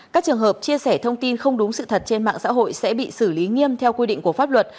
các trường hợp chia sẻ thông tin không đúng sự thật trên mạng xã hội sẽ bị xử lý nghiêm theo quy định của pháp luật